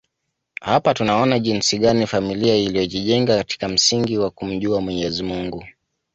Hapa tunaona jinsi gani familia iliyojijenga katika misingi ya kumjua Mwenyezi Mungu